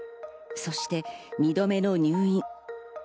そして２度目の入院。